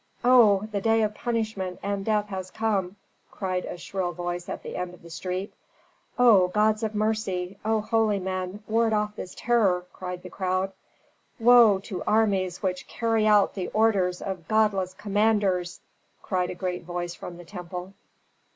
"Oh, the day of punishment and death has come!" cried a shrill voice at the end of the street. "O gods of mercy! O holy men, ward off this terror!" cried the crowd. "WOE TO ARMIES WHICH CARRY OUT THE ORDERS OF GODLESS COMMANDERS!" cried a great voice from the temple.